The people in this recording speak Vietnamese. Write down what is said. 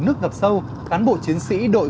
nước gặp sâu cán bộ chiến sĩ đội